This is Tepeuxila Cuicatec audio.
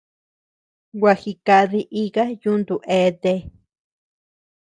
Gua jikadi ika yuntu eatea.